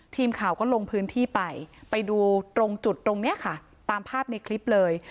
ทีมข่าวก็ลงพื้นที่ไปไปดูตรงจุดตรงนี้ค่ะตามภาพในคลิปเลย